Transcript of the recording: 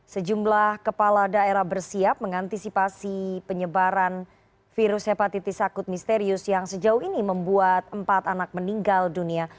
sejumlah kepala daerah bersiap mengantisipasi penyebaran virus hepatitis akut misterius yang sejauh ini membuat empat anak meninggal dunia